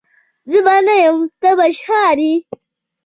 زه به نه یم ته به ژهړي